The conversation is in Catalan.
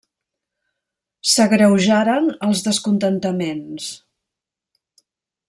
S'agreujaren els descontentaments.